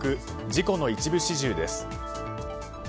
事故の一部始終です。